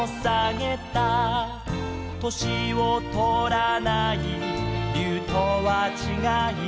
「年をとらない竜とはちがい」